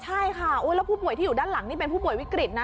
ใช่ค่ะแล้วผู้ป่วยที่อยู่ด้านหลังนี่เป็นผู้ป่วยวิกฤตนะ